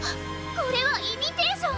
これはイミテーション！